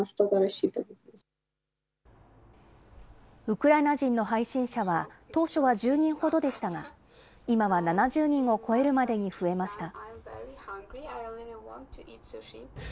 ウクライナ人の配信者は、当初は１０人ほどでしたが、今は７０人を超えるまでに増えました。